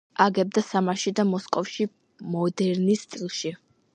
აგებდა სამარაში და მოსკოვში მოდერნის სტილში.